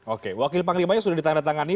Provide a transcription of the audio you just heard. oke wakil panglimanya sudah ditandatangani